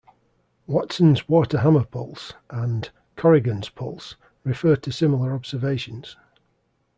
"Watson's water hammer pulse" and "Corrigan's pulse" refer to similar observations.